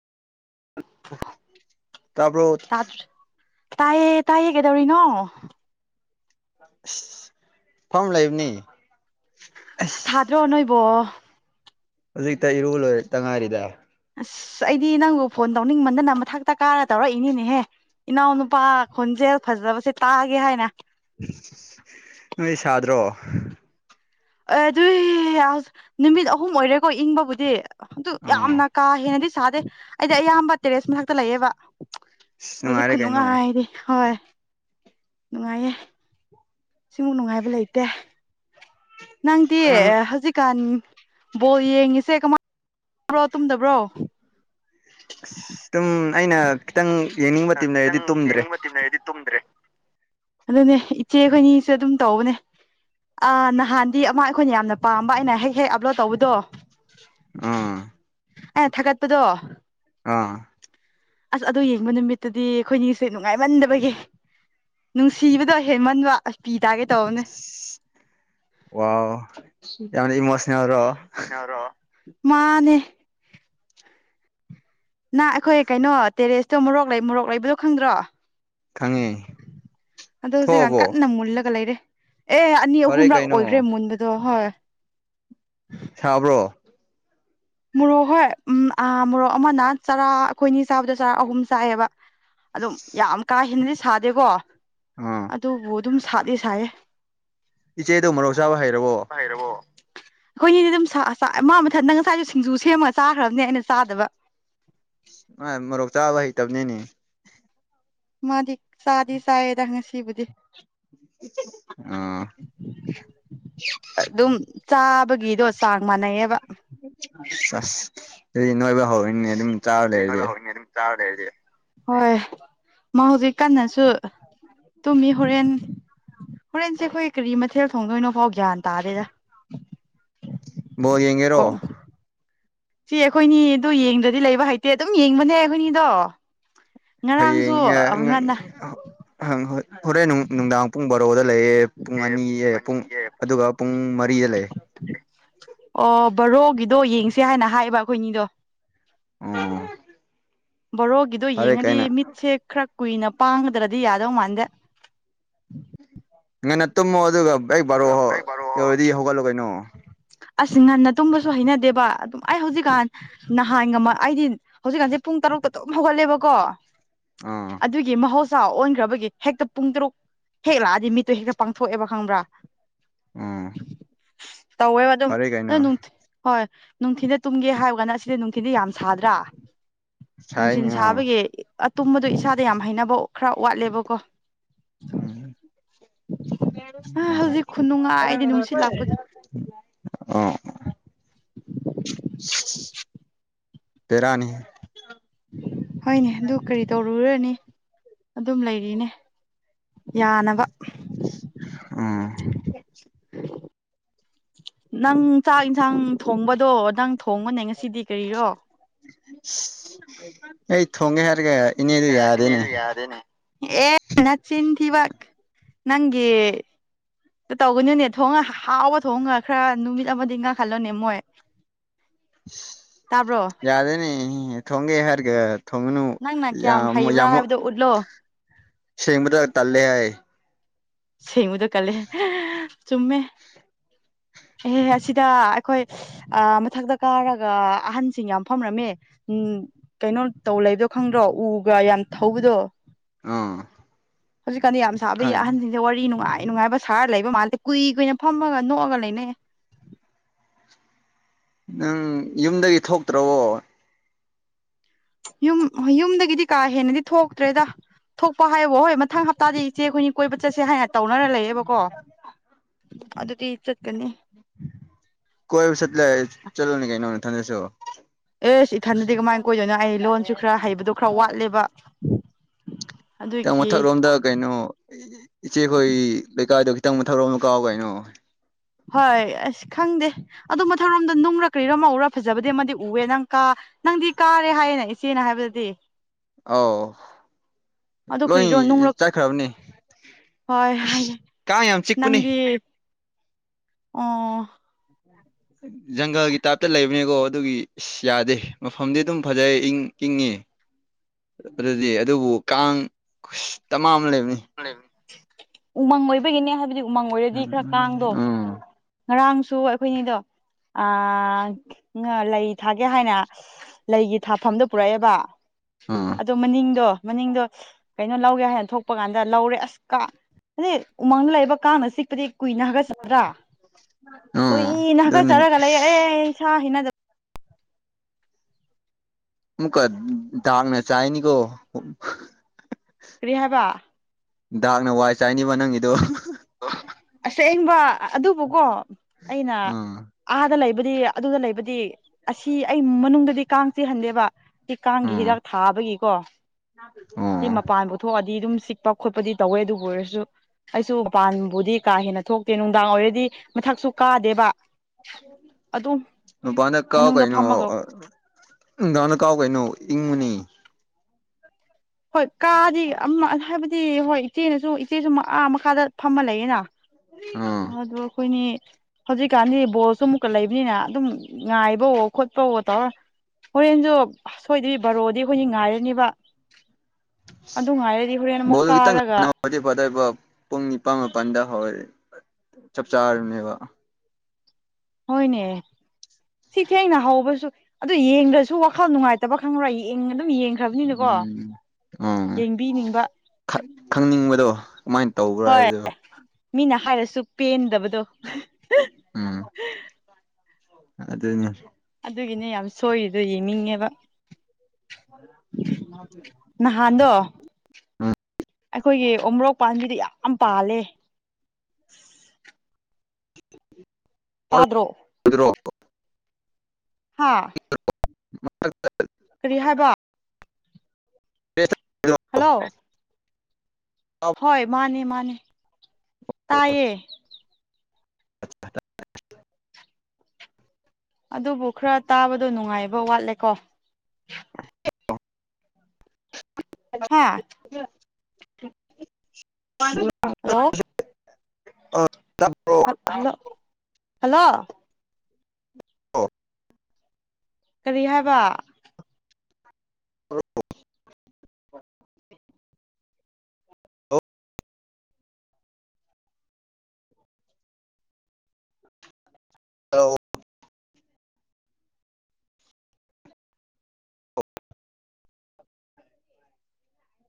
ꯇꯥꯕ꯭ꯔꯣ ꯇꯥꯏꯑ ꯇꯥꯏꯌꯦ ꯀꯩꯗꯧꯔꯤꯅꯣ ꯐꯥꯔꯝ ꯂꯩꯕꯅꯤ ꯑꯁ ꯑꯗ꯭ꯔꯣ ꯅꯣꯏꯕꯣ ꯍꯧꯖꯤꯛꯇ ꯏꯔꯨ ꯂꯣꯏꯔꯛꯇ ꯉꯥꯏꯔꯤꯗ ꯑꯁ ꯑꯩꯗꯤ ꯅꯪꯕꯨ ꯐꯣꯟ ꯇꯧꯅꯤꯡꯃꯟꯗꯅ ꯃꯊꯛꯇ ꯀꯥꯔ ꯇꯧꯔꯛꯏꯅꯤꯅꯦꯍꯦ ꯏꯅꯥꯎꯅꯨꯄꯥ ꯈꯣꯟꯖꯦꯜ ꯐꯖꯕꯁꯦ ꯇꯥꯒꯦ ꯍꯥꯏꯅ ꯅꯣꯏ ꯁꯥꯗ꯭ꯔꯣ ꯑꯦ ꯑꯗꯨꯏ ꯑꯥꯎꯁ ꯅꯨꯃꯤꯠ ꯑꯍꯨꯝ ꯑꯣꯏꯔꯦꯀꯣ ꯏꯪꯕꯕꯨꯗꯤ ꯑꯗꯨ ꯑꯣ ꯌꯥꯝꯅ ꯀꯥ ꯍꯦꯟꯅꯗꯤ ꯁꯥꯗꯦ ꯑꯩꯗꯤ ꯑꯌꯥꯝꯕ ꯇꯦꯔꯦꯁ ꯃꯊꯛꯇ ꯂꯩꯌꯦꯕ ꯑꯁ ꯍꯧꯖꯤꯛ ꯅꯨꯡꯉꯥꯏꯔꯦ ꯀꯩꯅꯣ ꯈꯨꯅꯨꯡꯉꯥꯏꯗꯤ ꯍꯣꯏ ꯅꯨꯡꯉꯥꯏꯌꯦ ꯁꯤꯃꯨꯛ ꯅꯨꯡꯉꯥꯏꯕ ꯂꯩꯇꯦ ꯅꯪꯇꯤ ꯅꯪ ꯍꯧꯖꯤꯛꯀꯥꯟ ꯕꯣꯜ ꯌꯦꯡꯉꯤꯁꯦ ꯀꯃꯥꯏ ꯕ꯭ꯔꯣ ꯇꯨꯝꯗꯕ꯭ꯔꯣ ꯑꯁ ꯇꯨꯝ ꯑꯩꯅ ꯈꯤꯇꯪ ꯌꯦꯡꯅꯤꯡꯕ ꯇꯤꯝ ꯂꯩꯔꯗꯤ ꯈꯤꯇꯪ ꯇꯨꯝꯗ꯭ꯔꯦ ꯌꯦꯡꯅꯤꯡꯕ ꯇꯤꯝ ꯂꯩꯔꯗꯤ ꯇꯨꯝꯗ꯭ꯔꯦ ꯑꯗꯨꯅꯦ ꯏꯆꯦ ꯈꯣꯏꯅꯤꯁꯨ ꯑꯗꯨꯝ ꯇꯧꯕꯅꯦ ꯑ ꯅꯍꯥꯟꯗꯤ ꯑꯃ ꯑꯩꯈꯣꯏꯅ ꯌꯥꯝꯅ ꯄꯥꯝꯕ ꯑꯩꯅ ꯍꯦꯛ ꯍꯦꯛ ꯑꯞꯂꯣꯗ ꯇꯧꯕꯗꯣ ꯑꯥ ꯑꯩꯅ ꯊꯥꯒꯠꯄꯗꯣ ꯑꯥ ꯑꯁ ꯑꯗꯣ ꯌꯦꯡꯕ ꯅꯨꯃꯤꯠ ꯇꯗꯤ ꯑꯩꯈꯣꯏꯅꯤꯁꯦ ꯅꯨꯡꯉꯥꯏꯃꯟꯗꯕꯒꯤ ꯅꯨꯡꯁꯤꯕꯗꯣ ꯍꯦꯟꯃꯟꯕ ꯄꯤ ꯇꯥꯒꯦ ꯇꯧꯕꯅꯦ ꯋꯥꯎ ꯌꯥꯝꯅ ꯏꯃꯣꯁꯅꯦꯜ ꯔꯣ ꯃꯥꯟꯅꯦ ꯅꯪ ꯑꯩꯈꯣꯏ ꯀꯩꯅꯣ ꯇꯦꯔꯦꯁꯇꯣ ꯃꯣꯔꯣꯛ ꯂꯩ ꯃꯣꯔꯣꯛ ꯂꯩꯕꯗꯣ ꯈꯪꯗ꯭ꯔꯣ ꯈꯪꯉꯦ ꯑꯗꯣ ꯍꯧꯖꯤꯛꯀꯥꯟ ꯀꯟꯅ ꯃꯨꯜꯂꯒ ꯂꯩꯔꯦ ꯑꯦ ꯑꯅꯤ ꯐꯔꯦ ꯑꯍꯨꯝꯔꯛ ꯀꯩꯅꯣ ꯑꯣꯏꯈ꯭ꯔꯦ ꯃꯨꯟꯕꯗꯣ ꯍꯣꯏ ꯁꯥꯕ꯭ꯔꯣ ꯃꯣꯔꯣꯛ ꯍꯣꯏ ꯎꯝ ꯑ ꯃꯣꯔꯣꯛ ꯑꯃꯅ ꯆꯔꯥ ꯑꯩꯈꯣꯏꯅꯤ ꯆꯥꯕꯗ ꯆꯔꯥ ꯑꯍꯨꯝ ꯆꯥꯏꯑꯦꯕ ꯑꯗꯨꯝ ꯌꯥꯝ ꯀꯥ ꯍꯦꯟꯅꯗꯤ ꯁꯥꯗꯦꯀꯣ ꯑꯣ ꯑꯗꯨꯕꯨ ꯑꯗꯨꯝ ꯁꯥꯗꯤ ꯁꯥꯏꯌꯦ ꯏꯆꯦꯗꯣ ꯃꯨꯔꯣꯛ ꯆꯥꯕ ꯍꯩꯔꯕꯣ ꯍꯩꯔꯕꯣ ꯑꯩꯈꯣꯏꯅꯤꯗꯤ ꯑꯗꯨꯝ ꯁꯥ ꯑ ꯆꯥ ꯃꯥ ꯃꯊꯟꯇ ꯉꯁꯥꯏꯁꯨ ꯁꯤꯡꯖꯨ ꯁꯦꯝꯃꯒ ꯆꯥꯈ꯭ꯔꯝꯅꯦ ꯑꯩꯅ ꯆꯥꯗꯕ ꯑ ꯃꯣꯔꯣꯛ ꯆꯥꯕ ꯍꯩꯇꯕꯅꯤꯅꯦ ꯃꯥꯗꯤ ꯆꯥꯗꯤ ꯆꯥꯏꯌꯦꯗ ꯉꯁꯤꯕꯨꯗꯤ ꯑꯥ [inaudible] ꯑꯗꯨꯝ ꯆꯥꯕꯒꯤꯗꯣ ꯆꯥꯡ ꯃꯥꯟꯅꯩꯑꯦꯕ ꯆ ꯑꯩꯗꯤ ꯅꯣꯏꯕ ꯍꯧꯔꯦ ꯍꯣꯏ ꯃꯥ ꯍꯧꯖꯤꯛ ꯀꯟꯅꯁꯨ ꯑ ꯇꯨꯝꯃꯤ ꯍꯣꯔꯦꯟ ꯍꯣꯔꯦꯟꯁꯦ ꯑꯩꯈꯣꯏ ꯀꯔꯤ ꯃꯊꯦꯜ ꯊꯣꯡꯗꯣꯏꯅꯣꯐꯥꯎ ꯒ꯭ꯌꯥꯟ ꯇꯥꯗꯦꯗ ꯕꯣꯜ ꯌꯦꯡꯉꯦꯔꯣ ꯆꯦ ꯑꯩꯈꯣꯏꯅꯤ ꯑꯗꯨ ꯌꯦꯡꯗꯔꯗꯤ ꯂꯩꯕ ꯍꯩꯇꯦ ꯑꯗꯨꯝ ꯌꯦꯡꯕꯅꯦ ꯑꯩꯈꯣꯏꯅꯤꯗꯣ ꯉꯔꯥꯡꯁꯨ ꯑ ꯉꯟꯅ ꯑꯍꯪ ꯍꯣꯏ ꯍꯣꯔꯦꯟꯅꯨꯡ ꯅꯨꯡꯗꯥꯡ ꯄꯨꯡ ꯕꯥꯔꯣꯗ ꯂꯩꯌꯦ ꯄꯨꯡ ꯑꯅꯤ ꯑꯦ ꯄꯨꯡ ꯑꯗꯨꯒ ꯄꯨꯡ ꯃꯔꯤꯗ ꯂꯩ ꯑꯣ ꯕꯔꯣꯒꯤꯗꯣ ꯌꯦꯡꯁꯦ ꯍꯥꯏꯅ ꯍꯥꯏꯕ ꯑꯩꯈꯣꯏꯅꯤꯗꯣ ꯑꯣ ꯕꯣꯔꯣꯒꯤꯗꯣ ꯐꯔꯦ ꯌꯦꯡꯉꯗꯤ ꯀꯩꯅꯣ ꯃꯤꯠꯁꯦ ꯈꯔ ꯀꯨꯏꯅ ꯄꯥꯡꯒꯗ꯭ꯔꯗꯤ ꯌꯥꯗꯧ ꯃꯥꯟꯗꯦ ꯉꯟꯅ ꯇꯨꯝꯃꯣ ꯑꯗꯨꯒ ꯍꯦꯛ ꯕꯥꯔꯣ ꯑꯩ ꯕꯥꯔꯣ ꯌꯧꯔꯗꯤ ꯍꯧꯒꯠꯂꯨ ꯀꯩꯅꯣ ꯑꯁ ꯉꯟꯅ ꯇꯨꯝꯕꯁꯨ ꯍꯩꯅꯗꯦꯕ ꯑꯗꯨꯝ ꯑꯩ ꯍꯧꯖꯤꯛꯀꯥꯟ ꯅꯍꯥꯟꯒꯝꯃ ꯑꯩꯗꯤ ꯍꯧꯖꯤꯛꯀꯥꯟꯁꯦ ꯄꯨꯡ ꯇꯔꯨꯛꯇ ꯑꯗꯨꯝ ꯍꯧꯒꯠꯂꯦꯕꯀꯣ ꯑꯥ ꯑꯗꯨꯒꯤ ꯃꯍꯧꯁ ꯑꯣꯟꯈ꯭ꯔꯕꯒꯤ ꯍꯦꯛꯇ ꯄꯨꯡ ꯇꯔꯨꯛ ꯍꯦꯛ ꯂꯥꯛꯑꯗꯤ ꯃꯤꯠꯇꯣ ꯍꯦꯛꯇ ꯄꯥꯡꯊꯣꯛꯑꯦꯕ ꯈꯪꯕ꯭ꯔꯥ ꯎꯝ ꯇꯧꯕꯗꯨ ꯐꯔꯦ ꯀꯩꯅꯣ ꯍꯣꯏ ꯅꯨꯡꯊꯤꯟꯗ ꯇꯨꯝꯒꯦ ꯍꯥꯏꯕꯒꯅ ꯑꯁꯤꯗꯤ ꯅꯨꯡꯊꯤꯤꯟꯗ ꯌꯥꯝ ꯁꯥꯗ꯭ꯔꯥ ꯁꯥꯏꯅꯤ ꯅꯨꯡꯁꯤꯟ ꯑꯥ ꯁꯥꯕꯒꯤ ꯑꯇꯨꯝꯕꯗꯣ ꯏꯁꯥꯗ ꯌꯥꯝ ꯍꯩꯅꯕ ꯈꯔ ꯋꯥꯠꯂꯦꯕꯀꯣ ꯑ ꯍꯧꯖꯤꯛ ꯈꯨꯅꯨꯡꯉꯥꯏꯗꯤ ꯅꯨꯡꯁꯤꯠ ꯂꯥꯛꯄꯗꯣ ꯍ ꯑꯣ [inaudible] ꯄꯦꯔꯥꯅꯤ ꯍꯣꯏꯅꯦ ꯑꯗꯨ ꯀꯔꯤ ꯇꯧꯔꯨꯔꯅꯤ ꯑꯗꯨꯝ ꯂꯩꯔꯤꯅꯦ ꯌꯥꯅꯕ ꯑꯥ ꯅꯪ ꯆꯥꯛ ꯌꯦꯟꯁꯥꯡ ꯊꯣꯡꯕꯗꯣ ꯅꯪ ꯊꯣꯡꯕꯅꯦ ꯉꯁꯤꯗꯤ ꯀꯔꯤꯔꯣ ꯑꯩ ꯊꯉꯦ ꯍꯥꯏꯔꯒꯦ ꯌꯥ ꯅꯆꯤꯟꯤꯟ ꯏ ꯋꯥꯥꯛ ꯅꯪꯒ ꯇꯧꯒꯅꯨꯅꯦ ꯊꯣꯡꯉ ꯍꯥꯎꯕ ꯊꯣꯡꯉꯒ ꯈꯔ ꯅꯨꯃꯤꯠ ꯑꯃꯗꯤ ꯉꯥꯡꯈꯜꯂꯣꯅꯦ ꯃꯣꯏ [inaudible] ꯇꯥꯕ꯭ꯔꯣ ꯌꯥꯗꯅꯤ ꯊꯣꯡꯒꯦ ꯍꯥꯏꯔꯒ ꯊꯣꯡꯅꯨ ꯅꯪꯅ ꯀꯌꯥꯝ ꯌꯥꯝ ꯍꯩꯕ꯭ꯔꯥ ꯌꯥꯝꯃ ꯍꯥꯏꯕꯗꯣ ꯎꯠꯂꯣ ꯁꯃ ꯇ ꯇꯜꯂꯦ ꯍꯥꯏꯌꯦ ꯁꯦꯡꯉꯨꯗ ꯀꯜꯂꯦ ꯆꯨꯝꯃꯦ ꯑꯦꯍꯍ ꯑꯁꯤꯗ ꯑꯩꯈꯣꯏ ꯑ ꯃꯊꯛꯇ ꯀꯥꯔꯒ ꯑꯍꯟꯁꯤꯡ ꯌꯥꯝ ꯐꯝꯔꯝꯃꯦ ꯎꯝ ꯀꯩꯅꯣ ꯇꯧ ꯂꯩꯗꯣ ꯈꯪꯗ꯭ꯔꯣ ꯎꯒ ꯌꯥꯝ ꯊꯧꯕꯗꯣ ꯑꯥ ꯍꯧꯖꯤꯛꯀꯥꯟꯗꯤ ꯌꯥꯝ ꯁꯥꯕ ꯌꯥ ꯈꯪꯉꯦ ꯑꯍꯟꯁꯤ ꯑꯗ ꯋꯥꯔꯤ ꯅꯨꯡꯉꯥꯏ ꯅꯨꯡꯉꯥꯏꯕ ꯁꯍꯔ ꯂꯩꯕ ꯃꯥꯜꯦ ꯀꯨꯏ ꯀꯨꯏꯅ ꯐꯃꯒ ꯅꯣꯛꯑꯒ ꯂꯩꯅꯩ ꯅꯪ ꯌꯨꯝꯗꯒꯤ ꯊꯣꯛꯇ꯭ꯔꯕꯣ ꯌꯨꯝ ꯌꯨꯝꯗꯒꯤꯗꯤ ꯀꯥ ꯍꯦꯟꯅꯗꯤ ꯊꯣꯛꯇ꯭ꯔꯦꯗ ꯊꯣꯛꯄ ꯍꯥꯏꯌꯦꯕꯣ ꯍꯣꯏ ꯃꯊꯪ ꯍꯞꯇꯥꯗꯤ ꯏꯆꯦ ꯑꯩꯈꯣꯏꯅꯤ ꯀꯣꯏꯕ ꯆꯠꯁꯦ ꯍꯥꯏꯅ ꯇꯧꯅꯔ ꯂꯩꯌꯦꯦꯕꯀꯣ ꯑꯗꯨꯗꯤꯤ ꯆꯀꯅꯤ ꯀꯣꯏ ꯁꯠꯂ ꯆꯂ ꯅ ꯀꯩꯅꯩꯅ ꯊꯟꯗꯦꯁꯤ ꯑꯦꯁ ꯏꯊꯟꯗꯗꯤ ꯀꯃꯥꯏꯅ ꯀꯣꯏꯗꯣꯏꯅꯣ ꯑꯩ ꯂꯣꯟꯁꯨ ꯈꯔ ꯍꯩꯕꯗꯣ ꯈꯔ ꯋꯥꯠꯂꯦꯕ ꯅꯇ ꯑꯗꯨꯒꯤ ꯃꯊꯛ ꯂꯣꯝꯗ ꯀꯩꯅꯣ ꯏꯆꯦꯈꯣꯏ ꯂꯩꯀꯥꯏꯗꯣ ꯈꯤꯇꯪ ꯃꯊꯧꯔꯣꯅ ꯀꯥꯎ ꯀꯩꯅꯣ ꯍꯣꯏ ꯑꯁ ꯈꯪꯗꯦ ꯑꯗꯨꯗꯣ ꯃꯊꯊꯧꯔꯣꯝꯗ ꯅꯨꯡꯔꯥ ꯀꯔꯤꯔꯣ ꯑꯃꯎꯔꯥ ꯐꯖꯕꯗꯤ ꯑꯃꯗꯤ ꯎꯑꯦ ꯅꯪ ꯀꯥ ꯅꯪꯗꯤ ꯀꯥꯔꯦ ꯍꯥꯏꯌꯦꯅ ꯏꯆꯦꯅ ꯍꯥꯏꯕꯗꯨꯗꯤ ꯑꯥꯎ ꯑꯗꯨ ꯂꯣꯏ ꯀꯔꯤꯔꯣ ꯅꯨꯡꯔꯛ ꯆꯥꯏꯈ꯭ꯔꯕꯅꯤ ꯍꯣꯏ ꯍꯥꯏꯌꯦ ꯀꯥꯏ ꯌꯥꯝ ꯆꯤꯛ ꯄꯨꯅꯦ ꯅꯪꯗꯤ ꯑꯣ ꯎ ꯖꯪꯒꯜꯒꯤ ꯇꯥꯏꯞꯇ ꯂꯩꯕꯅꯦꯀꯣ ꯑꯗꯨꯒꯤ ꯏꯁꯁ ꯌꯥꯗꯦ ꯃꯐꯝꯗꯤ ꯑꯗꯨꯝ ꯐꯖꯩ ꯏꯪ ꯀꯤꯡꯉ ꯑꯗꯨꯗꯤ ꯑꯗꯨꯕꯨ ꯀꯥꯡ ꯇꯃꯥ ꯑꯃ ꯂꯩꯕꯅꯤ ꯎꯃꯪ ꯑꯣꯏꯕꯒꯤꯅꯦ ꯍꯥꯏꯕꯗꯤ ꯎꯃꯪ ꯑꯣꯏꯔꯗꯤ ꯈꯔ ꯀꯥꯡꯗꯣ ꯎꯝ ꯉꯔꯥꯡꯁꯨ ꯑꯩꯈꯣꯏꯅꯤꯗꯣ ꯑ ꯂꯩ ꯊꯥꯒꯦ ꯍꯥꯏꯅ ꯂꯩꯒꯤ ꯊꯥꯐꯝꯗ ꯄꯨꯔꯛꯑꯦꯕ ꯎꯝ ꯑꯗꯣ ꯃꯅꯤꯡꯗꯣ ꯃꯅꯤꯡꯗꯣ ꯀꯩꯅꯣ ꯂꯧꯒꯦ ꯍꯥꯏꯅ ꯊꯣꯛ ꯆꯄ ꯀꯥꯟꯗ ꯂꯧꯔꯦ ꯑꯁ ꯀꯥ ꯑꯗꯩ ꯎꯃꯪ ꯂꯩꯕ ꯀꯥꯡꯅ ꯆꯤꯛꯄꯗꯤ ꯀꯨꯏꯅ ꯍꯥꯏꯒꯠ ꯕ꯭ꯔꯥ ꯎꯝ ꯀꯨꯏꯅ ꯑꯗꯨꯅꯤ ꯍꯥꯒꯠꯆꯔꯒ ꯂꯩꯑꯦ ꯏꯁꯥ ꯍꯅꯗꯕ ꯑꯃꯨꯛꯀ ꯗꯥꯛꯅ ꯆꯥꯏꯅꯤꯀꯣ ꯀꯔꯤ ꯍꯥꯏꯕ ꯗꯥꯛꯅ ꯋꯥꯏ ꯆꯥꯏꯅꯤꯕ ꯅꯪꯒꯤꯗꯣ ꯑꯁꯦꯡꯕ ꯑꯗꯨꯕꯨꯀꯣ ꯑꯩꯅ ꯎꯝ ꯑꯥꯗ ꯂꯩꯕꯗꯤ ꯑꯗꯨ ꯂꯩꯕꯗꯤ ꯑꯁꯤ ꯑꯩ ꯃꯅꯨꯡꯗꯗꯤ ꯀꯥꯡ ꯆꯤꯍꯟꯗꯦꯕ ꯁꯤ ꯀꯥꯡꯒꯤ ꯑꯥ ꯍꯤꯗꯥꯛ ꯊꯥꯕꯒꯤꯀꯣ ꯁꯤ ꯑꯣ ꯃꯄꯥꯟ ꯊꯣꯛꯑꯗꯤ ꯑꯗꯨꯝ ꯆꯤꯛꯄ ꯈꯣꯠꯄꯗꯤ ꯇꯧꯋꯦ ꯑꯗꯨꯕꯨ ꯑꯣꯏꯔꯁꯨ ꯑꯩꯁꯨ ꯄꯥꯟꯕꯥꯟꯕꯨꯗꯤ ꯀꯥ ꯍꯦꯟꯅ ꯊꯣꯛꯇꯦ ꯅꯨꯡꯗꯥꯡ ꯑꯣꯏꯔꯗꯤ ꯃꯊꯛꯁꯨ ꯀꯥꯗꯦꯕ ꯑꯗꯨꯝ ꯄꯅ ꯀꯥꯎ ꯃꯅꯨꯡꯗ ꯀꯩꯅ ꯐꯝꯃꯒ ꯅꯨꯡꯗꯥꯥꯡꯅ ꯀꯥꯎ ꯀꯩꯅꯣ ꯏꯪꯉꯨꯅꯤ ꯍꯣꯏ ꯀꯥꯗꯤ ꯑꯃ ꯍꯥꯏꯕꯗꯤ ꯍꯣꯏ ꯏꯆꯦꯅꯁꯨ ꯏꯆꯦꯁꯨ ꯑꯥ ꯃꯈꯥꯗ ꯐꯝꯃ ꯂꯩꯌꯦꯅ ꯑꯥ ꯑꯗꯨ ꯑꯩꯈꯣꯏꯅꯤ ꯍꯧꯖꯤꯛꯀꯥꯟꯗꯤ ꯕꯣꯜꯁꯨ ꯑꯃꯨꯛꯀ ꯂꯩꯕꯅꯤꯅ ꯑꯗꯨꯝ ꯉꯥꯏꯕꯋ ꯈꯣꯠꯄꯋ ꯇꯧꯔ ꯍꯣꯔꯦꯟꯁꯨ ꯁꯣꯏꯗꯗꯤ ꯕꯔꯣꯗꯤ ꯑꯩꯈꯣꯏꯅ ꯉꯥꯏꯔꯅꯤꯕ ꯑꯗꯨ ꯉꯥꯏꯔꯗꯤ ꯍꯣꯔꯦꯟ ꯑꯃꯨꯛ ꯀꯥꯔꯒ ꯐꯗꯤ ꯐꯗꯏꯐ ꯄꯨꯡ ꯅꯤꯄꯥꯜ ꯃꯥꯄꯜꯗ ꯍ ꯆꯞ ꯆꯥꯔꯅꯦꯕ ꯍꯣꯏꯅꯦ ꯁꯤ ꯊꯦꯡꯅ ꯍꯧꯕꯁꯨ ꯑꯗꯨ ꯌꯦꯡꯗ꯭ꯔꯁꯨ ꯋꯥꯈꯜ ꯅꯨꯡꯉꯥꯏꯇꯕ ꯈꯪꯉ꯭ꯔꯣꯏ ꯑꯗꯨꯝ ꯌꯦꯡꯈ꯭ꯔꯕꯅꯤꯅꯀꯣ ꯎꯝ ꯎꯝ ꯌꯦꯡꯕꯤꯅꯤꯡꯕ ꯈꯪꯅꯤꯡꯕꯗꯣ ꯀꯃꯥꯏꯅ ꯇꯧꯕ꯭ꯔꯥ ꯍꯣꯏ ꯍꯥꯏꯕꯗꯨꯣ ꯃꯤꯅ ꯍꯥꯏꯔꯁꯨ ꯄꯦꯟꯗꯕꯗꯣ ꯎꯝ ꯑꯗꯨꯗꯅꯤ ꯑꯗꯨꯒꯤꯅꯦ ꯌꯥꯝ ꯁꯣꯏꯔꯤꯗꯣ ꯌꯦꯡꯅꯤꯡꯉꯦꯕ ꯃꯥꯇ ꯅꯍꯥꯟꯗꯣ ꯑꯩꯈꯣꯏꯒꯤ ꯎꯣꯔꯣꯛ ꯄꯥꯝꯕꯤꯗ ꯌꯥꯝ ꯄꯥꯜꯂꯦ ꯄꯥꯗ꯭ꯔꯣ ꯗ꯭ꯔꯣ ꯍꯥ [unintelligible] ꯀꯔꯤ ꯍꯥꯏꯕ [unintelligible] ꯍꯜꯂꯣ ꯍꯣꯏ ꯃꯥꯅꯦ ꯃꯥꯅꯦ ꯇꯥꯏꯌꯦ ꯑꯗꯨꯕꯨ ꯈꯔ ꯇꯥꯕꯗꯣ ꯅꯨꯡꯉꯥꯏꯕ ꯋꯥꯠꯂꯦꯀꯣ ꯍꯥꯦ ꯍ ꯍꯜꯂꯣ ꯍꯜꯂꯣ ꯍꯜꯂꯣ ꯀꯔꯤ ꯍꯥꯏꯕ